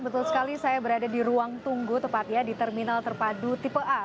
betul sekali saya berada di ruang tunggu tepatnya di terminal terpadu tipe a